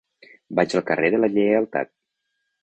Vaig al carrer de la Lleialtat.